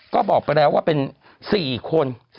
ก็บอกไปแล้วว่าเป็น๔คน